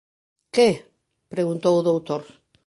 Que? —preguntou o doutor.